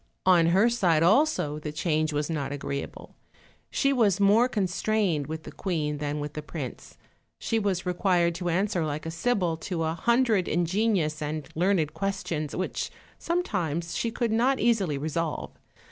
On her side also the change was not agreeable: she was more constrained with the queen than with the prince; she was required to answer like a sibyl to a hundred in genious and learned questions, which sometimes she could not easily resolve.